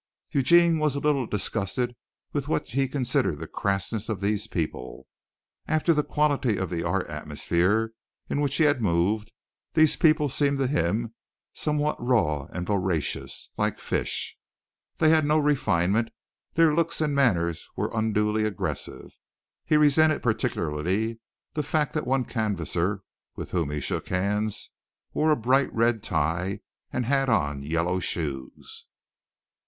Eugene was a little disgusted with what he considered the crassness of these people. After the quality of the art atmosphere in which he had moved these people seemed to him somewhat raw and voracious, like fish. They had no refinement. Their looks and manners were unduly aggressive. He resented particularly the fact that one canvasser with whom he shook hands wore a bright red tie and had on yellow shoes.